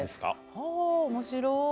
はあ面白い。